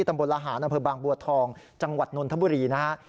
ตำบลอาหารบางบัวทองจังหวัดนนทบุรีนะฮะ